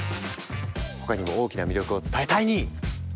他にも大きな魅力を伝えタイニー！